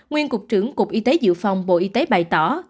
nguyên cục trưởng cục y tế dự phòng bộ y tế bày tỏ